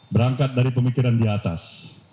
berangkat dari pemikiran di atas